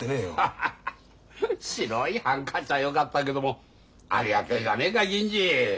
白いハンカチはよかったけどもありがてえじゃねえか銀次。